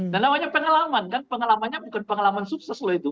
nah namanya pengalaman kan pengalamannya bukan pengalaman sukses loh itu